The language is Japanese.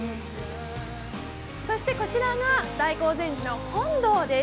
そして、こちらが大興善寺の本堂です。